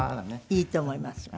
いいと思います。